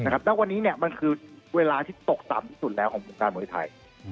แล้ววันนี้มันคือเวลาที่ตกต่ำที่สุดแล้วของวงการมวยไทย